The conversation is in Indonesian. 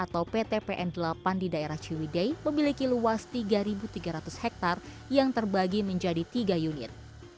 atau pt pn delapan di daerah ciwidei memiliki luas tiga ribu tiga ratus hektar yang terbagi menjadi tiga unit